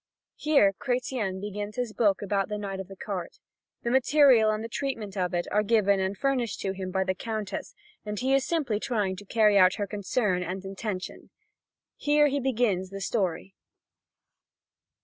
Here Chretien begins his book about the Knight of the Cart. The material and the treatment of it are given and furnished to him by the Countess, and he is simply trying to carry out her concern and intention. Here he begins the story.